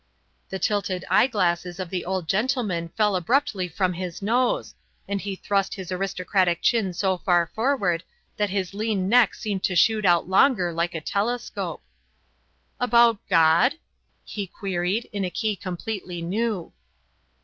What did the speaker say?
The tilted eye glasses of the old gentleman fell abruptly from his nose, and he thrust his aristocratic chin so far forward that his lean neck seemed to shoot out longer like a telescope. "About God?" he queried, in a key completely new.